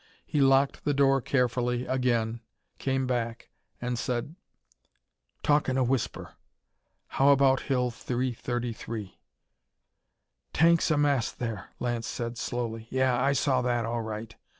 he locked the door carefully again, came back, and said: "Talk in a whisper! How about Hill 333?" "Tanks massed there," Lance said slowly. "Yeh, I saw that, all right.